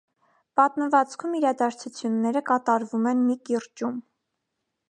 Պատմվածքում իրադարձությունները կատարվում են մի կիրճում։